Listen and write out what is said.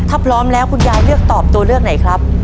ถ้าพร้อมแล้วคุณยายเลือกตอบตัวเลือกไหนครับ